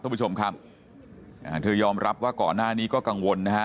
คุณผู้ชมครับอ่าเธอยอมรับว่าก่อนหน้านี้ก็กังวลนะฮะ